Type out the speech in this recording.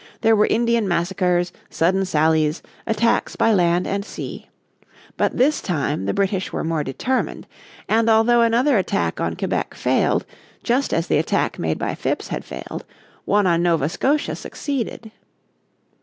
There were Indian massacres, sudden sallies, attacks by land and sea. But this time the British were more determined. And although another attack on Quebec failed, just as the attack made by Phips had failed, one on Nova Scotia succeeded.